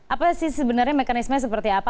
apa sih sebenarnya mekanisme seperti apa